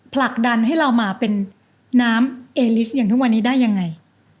ผลักดันให้เรามาเป็นน้ำเอลิสอย่างทุกวันนี้ได้ยังไง